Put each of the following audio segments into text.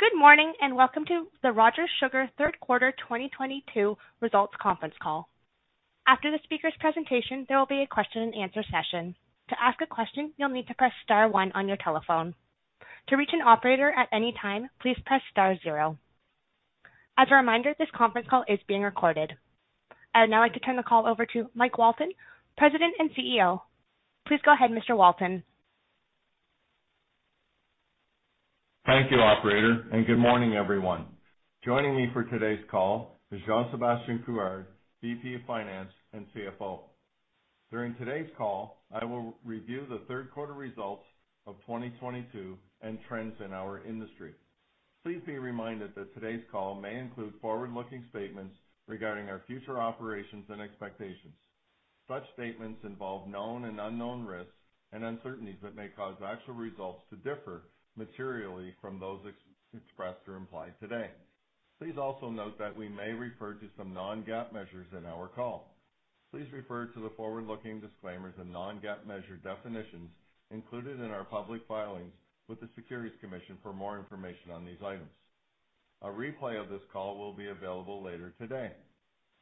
Good morning, and welcome to the Rogers Sugar 3rd quarter 2022 results conference call. After the speaker's presentation, there will be a question and answer session. To ask a question, you'll need to press star one on your telephone. To reach an operator at any time, please press star zero. As a reminder, this conference call is being recorded. I'd now like to turn the call over to Mike Walton, President and CEO. Please go ahead, Mr. Walton. Thank you, operator, and good morning, everyone. Joining me for today's call is Jean-Sébastien Couillard, VP of Finance and CFO. During today's call, I will review the 3rd quarter results of 2022 and trends in our industry. Please be reminded that today's call may include forward-looking statements regarding our future operations and expectations. Such statements involve known and unknown risks and uncertainties that may cause actual results to differ materially from those expressed or implied today. Please also note that we may refer to some non-GAAP measures in our call. Please refer to the forward-looking disclaimers and non-GAAP measure definitions included in our public filings with the Securities Commission for more information on these items. A replay of this call will be available later today.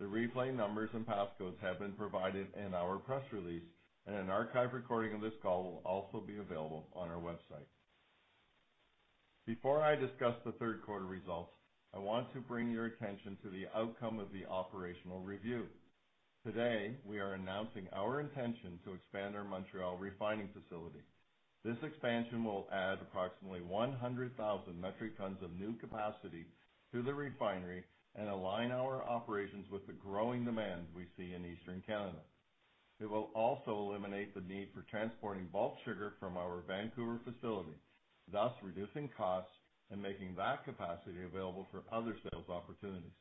The replay numbers and passcodes have been provided in our press release, and an archive recording of this call will also be available on our website. Before I discuss the 3rd quarter results, I want to bring your attention to the outcome of the operational review. Today, we are announcing our intention to expand our Montreal refining facility. This expansion will add approximately 100,000 metric tons of new capacity to the refinery and align our operations with the growing demand we see in Eastern Canada. It will also eliminate the need for transporting bulk sugar from our Vancouver facility, thus reducing costs and making that capacity available for other sales opportunities.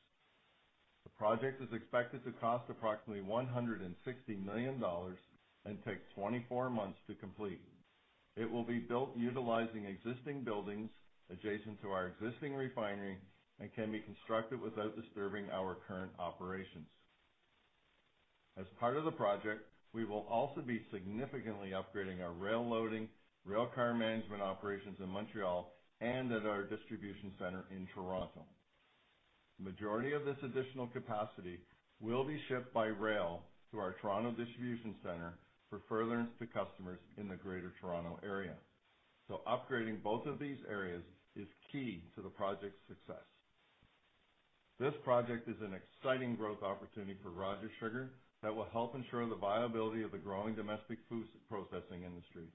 The project is expected to cost approximately 160 million dollars and take 24 months to complete. It will be built utilizing existing buildings adjacent to our existing refinery and can be constructed without disturbing our current operations. As part of the project, we will also be significantly upgrading our rail loading, railcar management operations in Montreal and at our distribution center in Toronto. Majority of this additional capacity will be shipped by rail to our Toronto distribution center for furtherance to customers in the Greater Toronto Area. Upgrading both of these areas is key to the project's success. This project is an exciting growth opportunity for Rogers Sugar that will help ensure the viability of the growing domestic food processing industry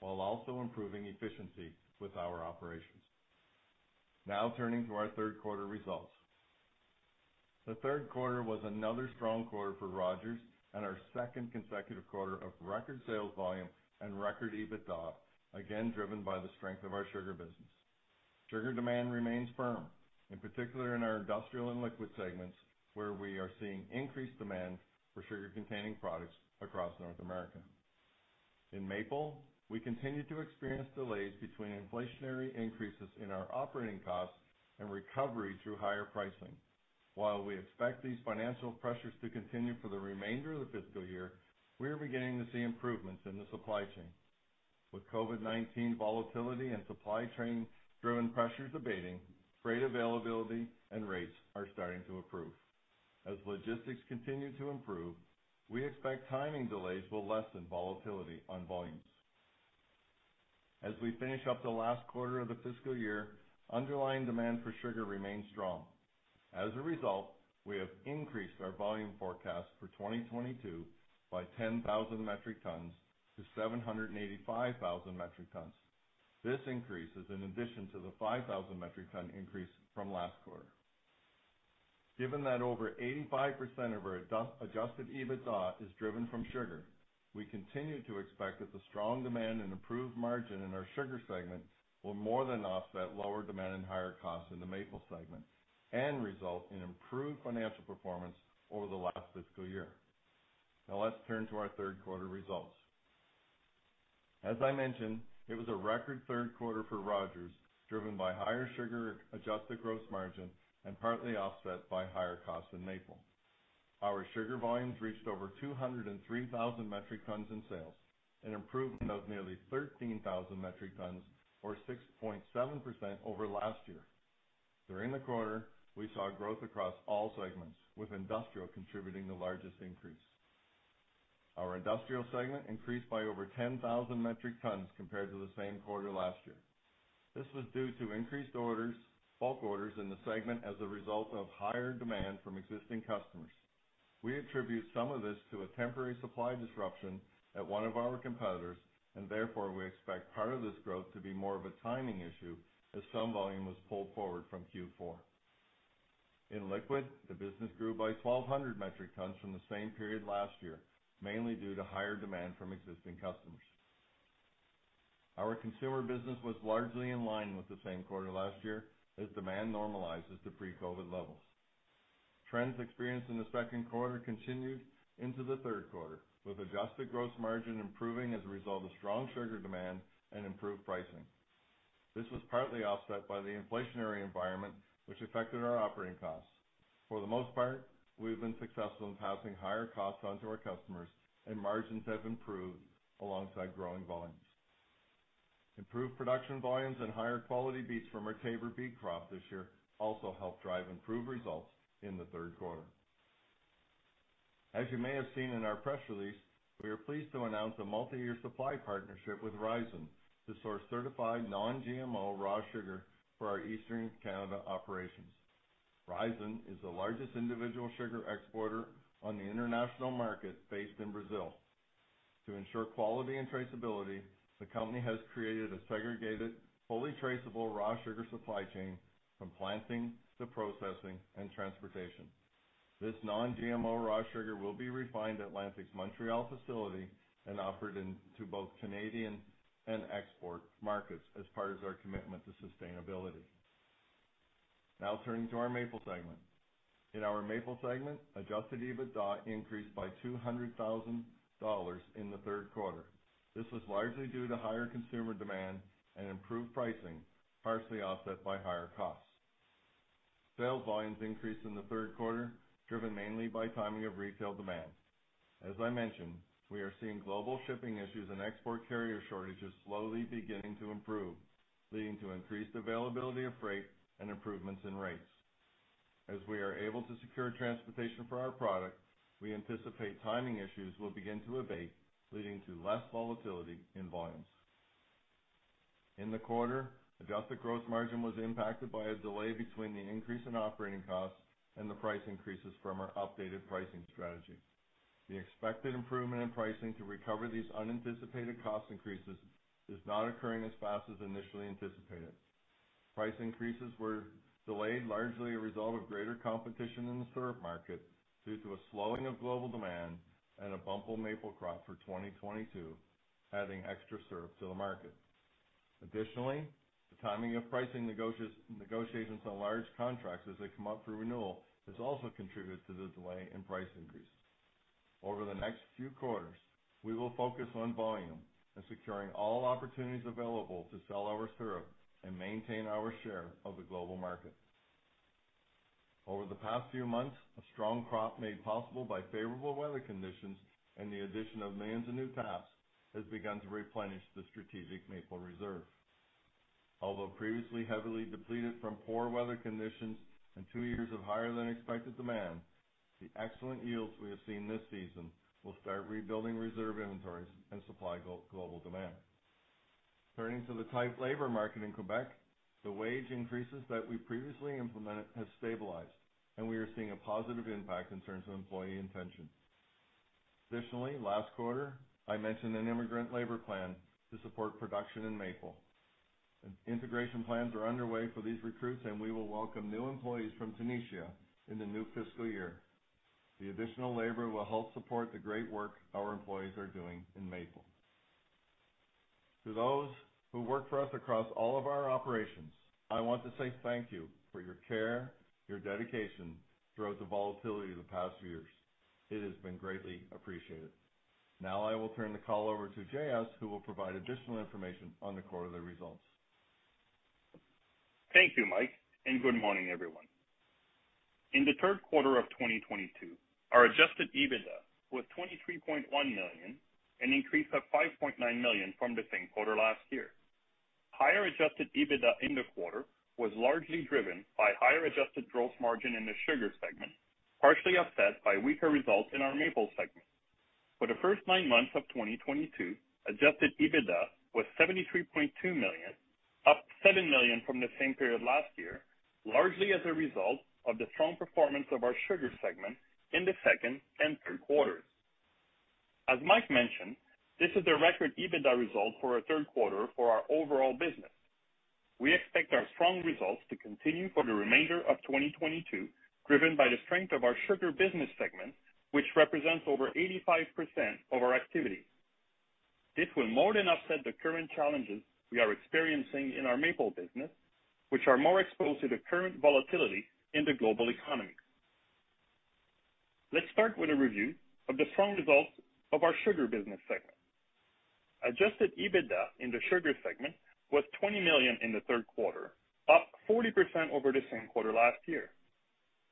while also improving efficiency with our operations. Now turning to our 3rd quarter results. The 3rd quarter was another strong quarter for Rogers and our second consecutive quarter of record sales volume and record EBITDA, again driven by the strength of our sugar business. Sugar demand remains firm, in particular in our industrial and liquid segments, where we are seeing increased demand for sugar-containing products across North America. In maple, we continue to experience delays between inflationary increases in our operating costs and recovery through higher pricing. While we expect these financial pressures to continue for the remainder of the fiscal year, we are beginning to see improvements in the supply chain. With COVID-19 volatility and supply chain-driven pressures abating, freight availability and rates are starting to improve. As logistics continue to improve, we expect timing delays will lessen volatility on volumes. As we finish up the last quarter of the fiscal year, underlying demand for sugar remains strong. As a result, we have increased our volume forecast for 2022 by 10,000 metric tons to 785,000 metric tons. This increase is an addition to the 5,000 metric tons increase from last quarter. Given that over 85% of our adjusted EBITDA is driven from sugar, we continue to expect that the strong demand and improved margin in our sugar segment will more than offset lower demand and higher costs in the maple segment and result in improved financial performance over the last fiscal year. Now let's turn to our 3rd quarter results. As I mentioned, it was a record 3rd quarter for Rogers, driven by higher sugar adjusted gross margin and partly offset by higher costs in maple. Our sugar volumes reached over 203,000 metric tons in sales, an improvement of nearly 13,000 metric tons or 6.7% over last year. During the quarter, we saw growth across all segments, with industrial contributing the largest increase. Our industrial segment increased by over 10,000 metric tons compared to the same quarter last year. This was due to increased orders, bulk orders in the segment as a result of higher demand from existing customers. We attribute some of this to a temporary supply disruption at one of our competitors, and therefore, we expect part of this growth to be more of a timing issue as some volume was pulled forward from Q4. In liquid, the business grew by 1,200 metric tons from the same period last year, mainly due to higher demand from existing customers. Our consumer business was largely in line with the same quarter last year as demand normalizes to pre-COVID levels. Trends experienced in the 2nd quarter continued into the 3rd quarter, with adjusted gross margin improving as a result of strong sugar demand and improved pricing. This was partly offset by the inflationary environment which affected our operating costs. For the most part, we've been successful in passing higher costs on to our customers, and margins have improved alongside growing volumes. Improved production volumes and higher quality beets from our Taber beet crop this year also helped drive improved results in the 3rd quarter. As you may have seen in our press release, we are pleased to announce a multi-year supply partnership with Raízen to source certified non-GMO raw sugar for our Eastern Canada operations. Raízen is the largest individual sugar exporter on the international market based in Brazil. To ensure quality and traceability, the company has created a segregated, fully traceable raw sugar supply chain from planting to processing and transportation. This non-GMO raw sugar will be refined at Lantic's Montreal facility and offered into both Canadian and export markets as part of our commitment to sustainability. Now turning to our Maple segment. In our Maple segment, adjusted EBITDA increased by 200,000 dollars in the 3rd quarter. This was largely due to higher consumer demand and improved pricing, partially offset by higher costs. Sales volumes increased in the 3rd quarter, driven mainly by timing of retail demand. As I mentioned, we are seeing global shipping issues and export carrier shortages slowly beginning to improve, leading to increased availability of freight and improvements in rates. As we are able to secure transportation for our product, we anticipate timing issues will begin to abate, leading to less volatility in volumes. In the quarter, adjusted gross margin was impacted by a delay between the increase in operating costs and the price increases from our updated pricing strategy. The expected improvement in pricing to recover these unanticipated cost increases is not occurring as fast as initially anticipated. Price increases were delayed, largely a result of greater competition in the syrup market due to a slowing of global demand and a bumper maple crop for 2022, adding extra syrup to the market. Additionally, the timing of pricing negotiations on large contracts as they come up for renewal has also contributed to the delay in price increases. Over the next few quarters, we will focus on volume and securing all opportunities available to sell our syrup and maintain our share of the global market. Over the past few months, a strong crop made possible by favorable weather conditions and the addition of millions of new taps has begun to replenish the strategic maple reserve. Although previously heavily depleted from poor weather conditions and two years of higher than expected demand, the excellent yields we have seen this season will start rebuilding reserve inventories and supply global demand. Turning to the tight labor market in Quebec, the wage increases that we previously implemented have stabilized, and we are seeing a positive impact in terms of employee retention. Additionally, last quarter, I mentioned an immigrant labor plan to support production in Maple. Integration plans are underway for these recruits, and we will welcome new employees from Tunisia in the new fiscal year. The additional labor will help support the great work our employees are doing in Maple. To those who work for us across all of our operations, I want to say thank you for your care, your dedication throughout the volatility of the past few years. It has been greatly appreciated. Now I will turn the call over to J.S., who will provide additional information on the quarterly results. Thank you, Mike, and good morning, everyone. In the 3rd quarter of 2022, our adjusted EBITDA was 23.1 million, an increase of 5.9 million from the same quarter last year. Higher adjusted EBITDA in the quarter was largely driven by higher adjusted gross margin in the sugar segment, partially offset by weaker results in our Maple segment. For the first nine months of 2022, adjusted EBITDA was 73.2 million, up 7 million from the same period last year, largely as a result of the strong performance of our sugar segment in the second and 3rd quarters. As Mike mentioned, this is the record EBITDA result for our 3rd quarter for our overall business. We expect our strong results to continue for the remainder of 2022, driven by the strength of our sugar business segment, which represents over 85% of our activity. This will more than offset the current challenges we are experiencing in our Maple business, which are more exposed to the current volatility in the global economy. Let's start with a review of the strong results of our sugar business segment. adjusted EBITDA in the sugar segment was 20 million in the 3rd quarter, up 40% over the same quarter last year.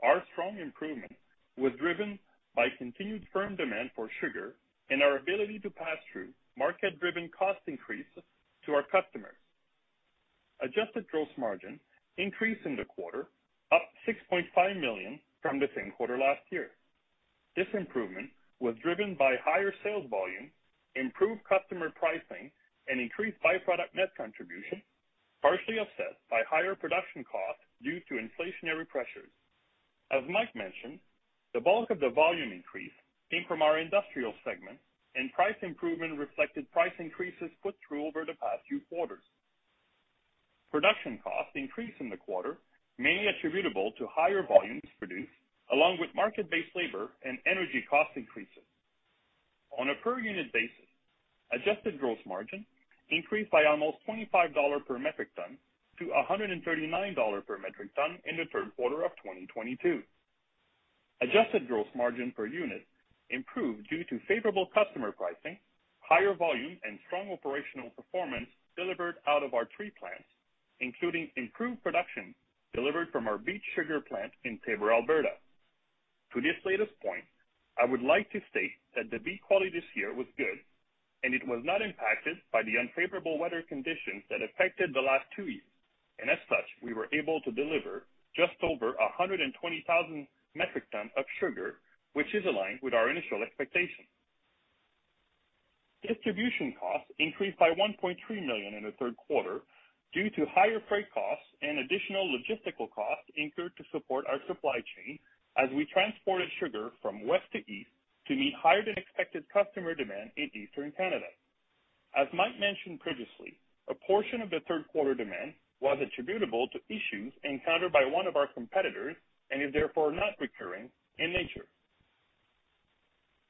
Our strong improvement was driven by continued firm demand for sugar and our ability to pass through market-driven cost increases to our customers. adjusted gross margin increased in the quarter, up 6.5 million from the same quarter last year. This improvement was driven by higher sales volume, improved customer pricing, and increased byproduct net contribution, partially offset by higher production costs due to inflationary pressures. As Mike mentioned, the bulk of the volume increase came from our industrial segment, and price improvement reflected price increases put through over the past few quarters. Production costs increased in the quarter, mainly attributable to higher volumes produced, along with market-based labor and energy cost increases. On a per unit basis, adjusted gross margin increased by almost 25 dollars per metric ton to 139 dollar per metric ton in the 3rd quarter of 2022. Adjusted gross margin per unit improved due to favorable customer pricing, higher volume, and strong operational performance delivered out of our three plants, including improved production delivered from our beet sugar plant in Taber, Alberta. To this latest point, I would like to state that the beet quality this year was good, and it was not impacted by the unfavorable weather conditions that affected the last two years. As such, we were able to deliver just over 120,000 metric tons of sugar, which is aligned with our initial expectation. Distribution costs increased by 1.3 million in the 3rd quarter due to higher freight costs and additional logistical costs incurred to support our supply chain as we transported sugar from west to east to meet higher than expected customer demand in Eastern Canada. As Mike mentioned previously, a portion of the 3rd quarter demand was attributable to issues encountered by one of our competitors and is therefore not recurring in nature.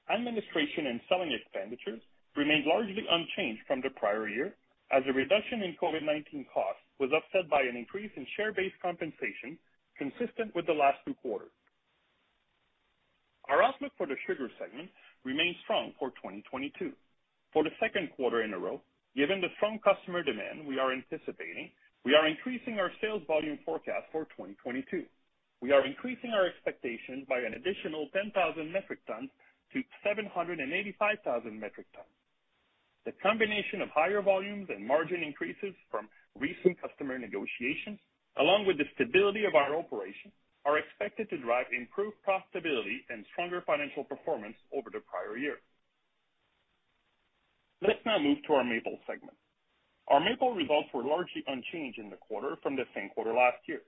Administration and selling expenditures remained largely unchanged from the prior year as a reduction in COVID-19 costs was offset by an increase in share-based compensation consistent with the last two quarters. Our outlook for the sugar segment remains strong for 2022. For the 2nd quarter in a row, given the strong customer demand we are anticipating, we are increasing our sales volume forecast for 2022. We are increasing our expectation by an additional 10,000 metric tons to 785,000 metric tons. The combination of higher volumes and margin increases from recent customer negotiations, along with the stability of our operations, are expected to drive improved profitability and stronger financial performance over the prior year. Let's now move to our maple segment. Our maple results were largely unchanged in the quarter from the same quarter last year.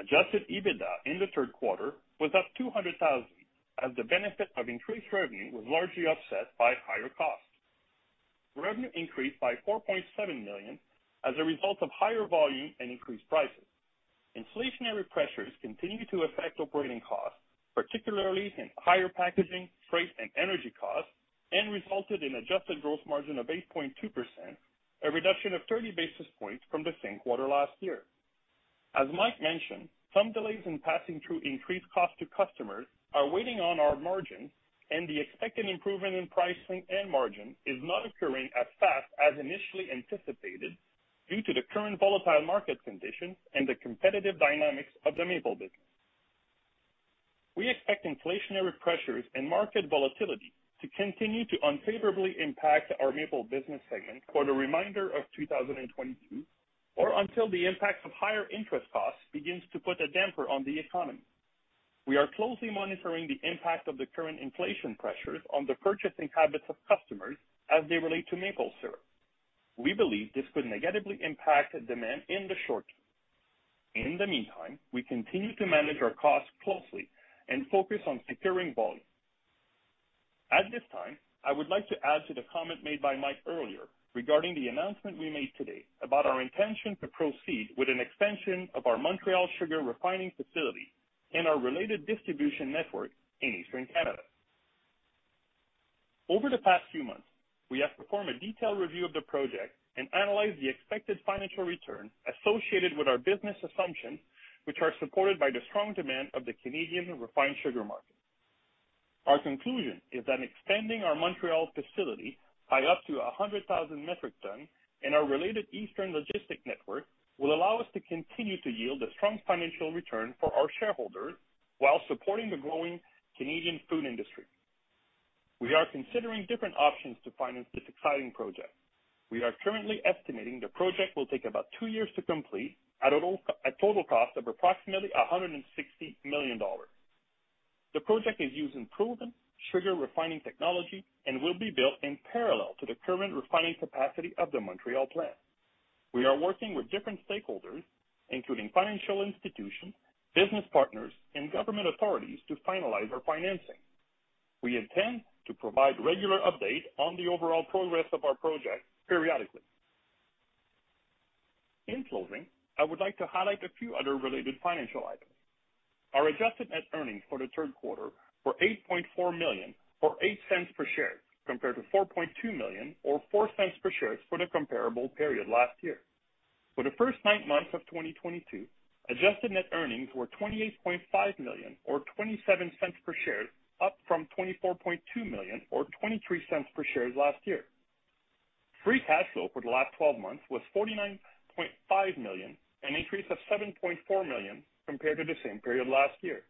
Adjusted EBITDA in the 3rd quarter was up 200 thousand as the benefit of increased revenue was largely offset by higher costs. Revenue increased by 4.7 million as a result of higher volume and increased prices. Inflationary pressures continued to affect operating costs, particularly in higher packaging, freight, and energy costs, and resulted in adjusted gross margin of 8.2%, a reduction of 30 basis points from the same quarter last year. As Mike mentioned, some delays in passing through increased costs to customers are weighing on our margins, and the expected improvement in pricing and margin is not occurring as fast as initially anticipated due to the current volatile market conditions and the competitive dynamics of the maple business. We expect inflationary pressures and market volatility to continue to unfavorably impact our maple business segment for the remainder of 2022, or until the impact of higher interest costs begins to put a damper on the economy. We are closely monitoring the impact of the current inflation pressures on the purchasing habits of customers as they relate to maple syrup. We believe this could negatively impact demand in the short term. In the meantime, we continue to manage our costs closely and focus on securing volume. At this time, I would like to add to the comment made by Mike earlier regarding the announcement we made today about our intention to proceed with an extension of our Montreal sugar refining facility and our related distribution network in Eastern Canada. Over the past few months, we have performed a detailed review of the project and analyzed the expected financial return associated with our business assumptions, which are supported by the strong demand of the Canadian refined sugar market. Our conclusion is that extending our Montreal facility by up to 100,000 metric tons and our related eastern logistics network will allow us to continue to yield a strong financial return for our shareholders while supporting the growing Canadian food industry. We are considering different options to finance this exciting project. We are currently estimating the project will take about two years to complete at a total cost of approximately 160 million dollars. The project is using proven sugar refining technology and will be built in parallel to the current refining capacity of the Montreal plant. We are working with different stakeholders, including financial institutions, business partners, and government authorities to finalize our financing. We intend to provide regular updates on the overall progress of our project periodically. In closing, I would like to highlight a few other related financial items. Our Adjusted Net Earnings for the 3rd quarter were 8.4 million or 0.08 per share, compared to 4.2 million or 0.04 per share for the comparable period last year. For the first nine months of 2022, Adjusted Net Earnings were CAD 28.5 million or 0.27 per share, up from CAD 24.2 million or 0.23 per share last year. Free Cash Flow for the last twelve months was CAD 49.5 million, an increase of CAD 7.4 million compared to the same period last year.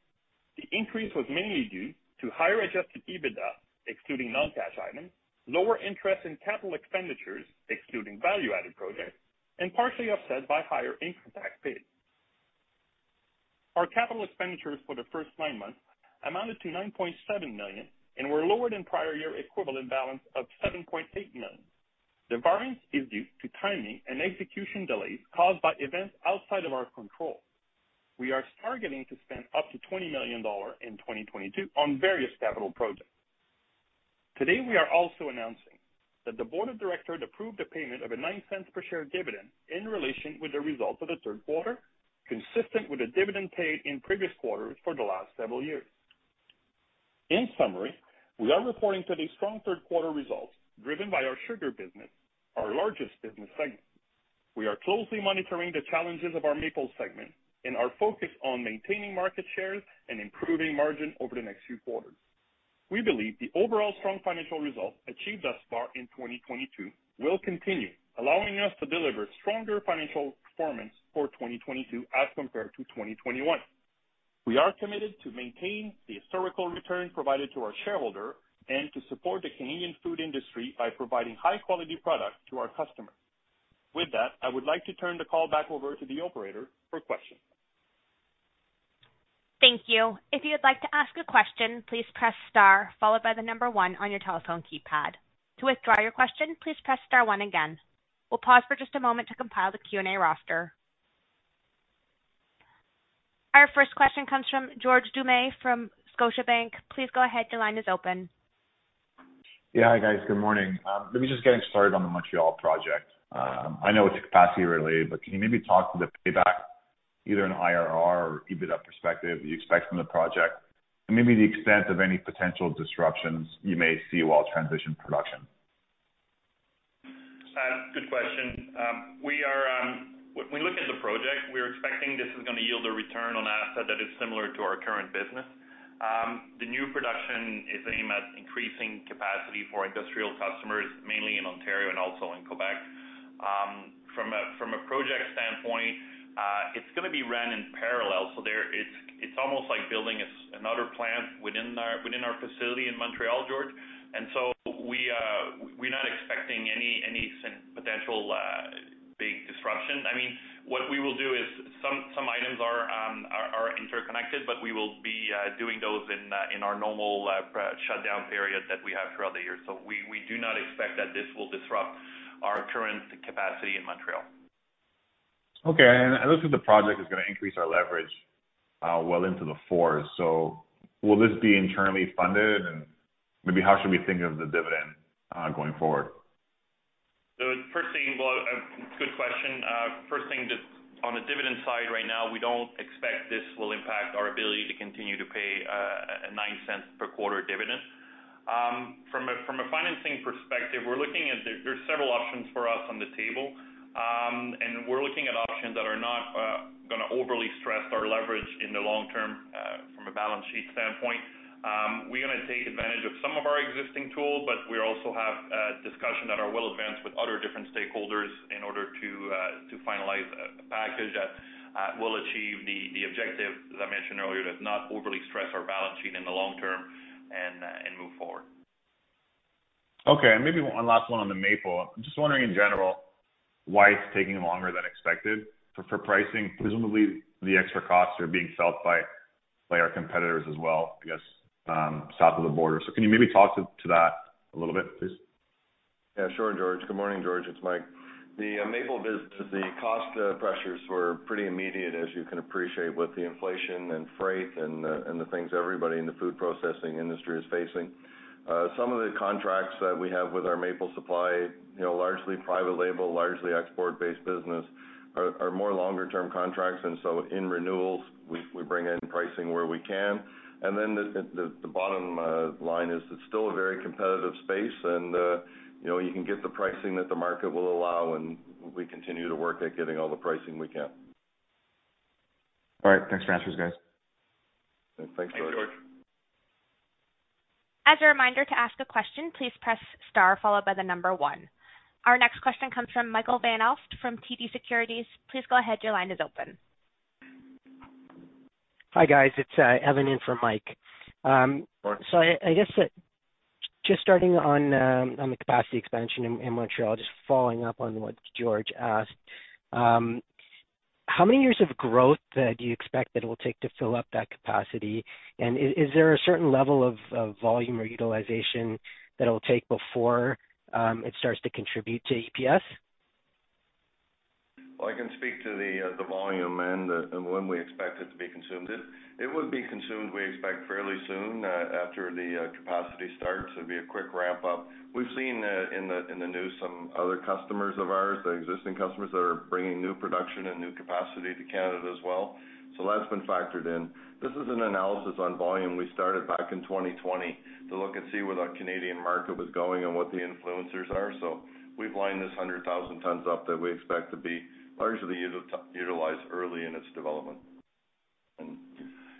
The increase was mainly due to higher adjusted EBITDA, excluding non-cash items, lower interest and capital expenditures, excluding value-added projects, and partially offset by higher income tax paid. Our capital expenditures for the first nine months amounted to 9.7 million and were lower than prior-year equivalent of 7.8 million. The variance is due to timing and execution delays caused by events outside of our control. We are targeting to spend up to 20 million dollar in 2022 on various capital projects. Today, we are also announcing that the board of directors approved a payment of 0.09 per share dividend in relation with the results of the 3rd quarter, consistent with the dividend paid in previous quarters for the last several years. In summary, we are reporting today strong 3rd quarter results driven by our sugar business, our largest business segment. We are closely monitoring the challenges of our Maple segment and are focused on maintaining market shares and improving margin over the next few quarters. We believe the overall strong financial results achieved thus far in 2022 will continue, allowing us to deliver stronger financial performance for 2022 as compared to 2021. We are committed to maintain the historical return provided to our shareholder and to support the Canadian food industry by providing high quality product to our customer. With that, I would like to turn the call back over to the operator for questions. Thank you. If you'd like to ask a question, please press star followed by the number one on your telephone keypad. To withdraw your question, please press star one again. We'll pause for just a moment to compile the Q&A roster. Our first question comes from George Doumet from Scotiabank. Please go ahead. Your line is open. Yeah. Hi, guys. Good morning. Maybe just getting started on the Montreal project. I know it's capacity related, but can you maybe talk to the payback either in IRR or EBITDA perspective you expect from the project? Maybe the extent of any potential disruptions you may see while transitioning production. Good question. When we look at the project, we're expecting this is gonna yield a Return on Assets that is similar to our current business. The new production is aimed at increasing capacity for industrial customers, mainly in Ontario and also in Quebec. From a project standpoint, it's gonna be ran in parallel. It's almost like building another plant within our facility in Montreal, George. We're not expecting any potential big disruption. I mean, what we will do is some items are interconnected, but we will be doing those in our normal shutdown period that we have throughout the year. We do not expect that this will disrupt our current capacity in Montreal. Okay. It looks like the project is gonna increase our leverage, well into the fours. Will this be internally funded? Maybe how should we think of the dividend, going forward? Good question. First thing, just on the dividend side right now, we don't expect this will impact our ability to continue to pay a 0.09 per quarter dividend. From a financing perspective, there are several options for us on the table. We're looking at options that are not gonna overly stress our leverage in the long term from a balance sheet standpoint. We're gonna take advantage of some of our existing tools, but we also have discussions that are well advanced with other different stakeholders in order to finalize a package that will achieve the objective, as I mentioned earlier, to not overly stress our balance sheet in the long term and move forward. Okay. Maybe one last one on the Maple. I'm just wondering in general why it's taking longer than expected for pricing. Presumably, the extra costs are being felt by our competitors as well, I guess, south of the border. Can you maybe talk to that a little bit, please? Yeah, sure, George. Good morning, George. It's Mike. The Maple business, the cost pressures were pretty immediate, as you can appreciate, with the inflation and freight and the things everybody in the food processing industry is facing. Some of the contracts that we have with our Maple supply, you know, largely private label, largely export-based business are more longer term contracts, and so in renewals, we bring in pricing where we can. The bottom line is it's still a very competitive space and, you know, you can get the pricing that the market will allow, and we continue to work at getting all the pricing we can. All right. Thanks for the answers, guys. Thanks, George. Thanks, George. As a reminder to ask a question, please press star followed by the number one. Our next question comes from Michael Van Aelst from TD Cowen. Please go ahead. Your line is open. Hi, guys. It's Evan in for Mike. Right. I guess just starting on the capacity expansion in Montreal, just following up on what George asked, how many years of growth do you expect that it will take to fill up that capacity? Is there a certain level of volume or utilization that it'll take before it starts to contribute to EPS? Well, I can speak to the volume and when we expect it to be consumed. It would be consumed, we expect, fairly soon after the capacity starts. It'd be a quick ramp up. We've seen in the news some other customers of ours, the existing customers that are bringing new production and new capacity to Canada as well. So that's been factored in. This is an analysis on volume we started back in 2020 to look and see where the Canadian market was going and what the influencers are. So we've lined this 100,000 tons up that we expect to be largely utilized early in its development.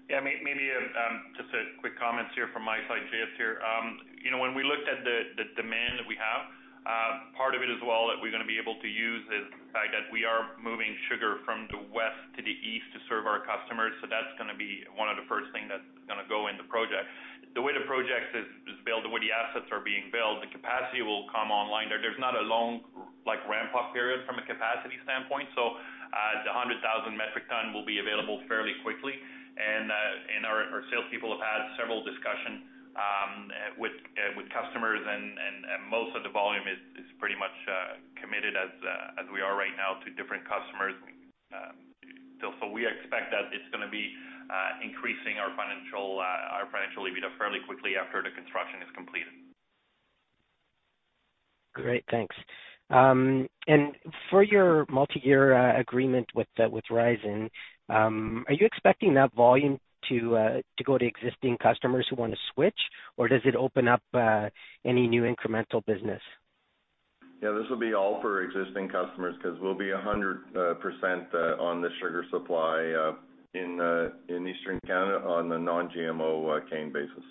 Yeah. Maybe just a quick comment here from my side. Jean-Sébastien Couillard here. You know, when we looked at the demand that we have, part of it as well that we're gonna be able to use is the fact that we are moving sugar from the west to the east to serve our customers. That's gonna be one of the first thing that's gonna go in the project. The way the project is built, the way the assets are being built, the capacity will come online. There's not a long, like, ramp-up period from a capacity standpoint. The 100,000 metric ton will be available fairly quickly. Our salespeople have had several discussions with customers and most of the volume is pretty much committed, as we are right now, to different customers. We expect that it's gonna be increasing our financial EBITDA fairly quickly after the construction is completed. Great, thanks. For your multiyear agreement with Raízen, are you expecting that volume to go to existing customers who wanna switch, or does it open up any new incremental business? Yeah, this will be all for existing customers 'cause we'll be 100% on the sugar supply in Eastern Canada on the non-GMO cane basis.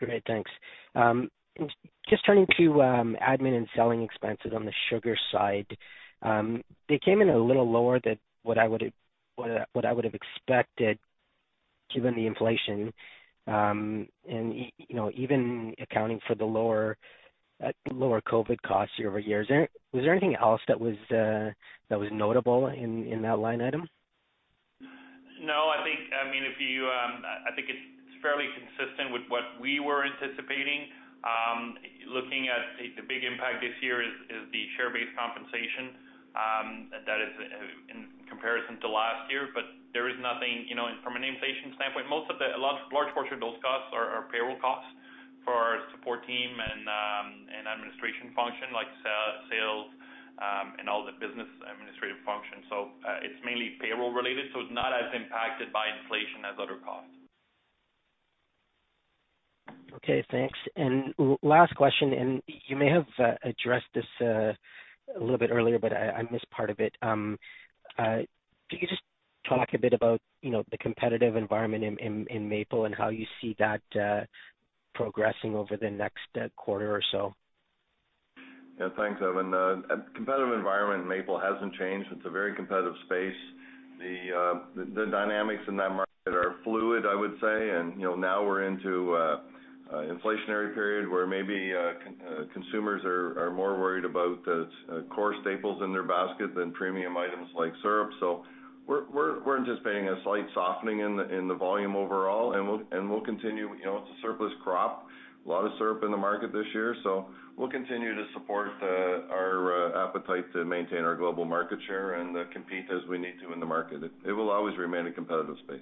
Great, thanks. Just turning to admin and selling expenses on the sugar side, they came in a little lower than what I would've expected given the inflation. You know, even accounting for the lower COVID costs year-over-year. Was there anything else that was notable in that line item? No, I think, I mean, if you, I think it's fairly consistent with what we were anticipating. Looking at the big impact this year is the Share-Based Compensation that is in comparison to last year, but there is nothing, you know. From an inflation standpoint, a large portion of those costs are payroll costs for our support team and administrative function, like sales, and all the business administrative functions. It's mainly payroll related, so it's not as impacted by inflation as other costs. Okay, thanks. Last question, and you may have addressed this a little bit earlier, but I missed part of it. Can you just talk a bit about, you know, the competitive environment in maple and how you see that progressing over the next quarter or so? Yeah, thanks, Evan. The competitive environment in maple hasn't changed. It's a very competitive space. The dynamics in that market are fluid, I would say. You know, now we're into an inflationary period where maybe consumers are more worried about the core staples in their basket than premium items like syrup. We're anticipating a slight softening in the volume overall, and we'll continue. You know, it's a surplus crop. A lot of syrup in the market this year, so we'll continue to support our appetite to maintain our global market share and compete as we need to in the market. It will always remain a competitive space.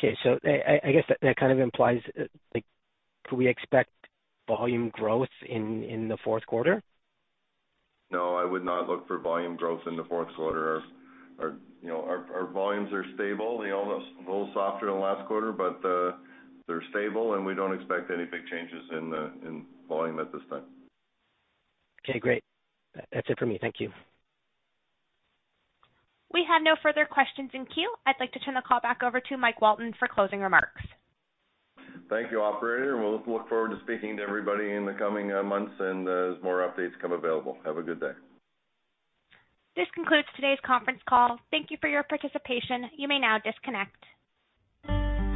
Okay. I guess that kind of implies, like, could we expect volume growth in the 4th quarter? No, I would not look for volume growth in the 4th quarter. You know, our volumes are stable. You know, a little softer than last quarter, but they're stable, and we don't expect any big changes in volume at this time. Okay, great. That's it for me. Thank you. We have no further questions in queue. I'd like to turn the call back over to Mike Walton for closing remarks. Thank you, operator. We'll look forward to speaking to everybody in the coming months, and as more updates come available. Have a good day. This concludes today's conference call. Thank you for your participation. You may now disconnect.